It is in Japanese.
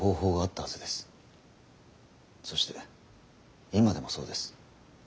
そして今でもそうです。